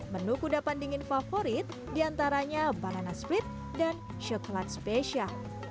menu kuda pan dingin favorit di antaranya banan quando sprit dan chocolate special